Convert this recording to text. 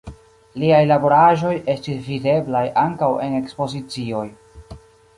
Liaj laboraĵoj estis videblaj ankaŭ en ekspozicioj.